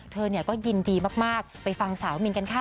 เธอก็ยินดีมากไปฟังสาวมินกันค่ะ